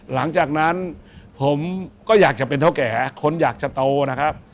หลังจากนั้นผมก็อยากจะเป็นเท่าแก่คนอยากจะโตนะครับ